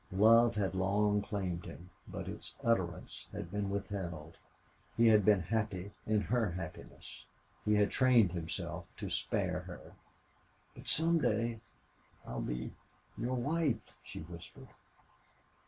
Love had long claimed him, but its utterance had been withheld. He had been happy in her happiness. He had trained himself to spare her. "But some day I'll be your wife," she whispered.